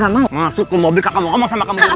masuk ke mobil kakak mau omong sama kamu rumah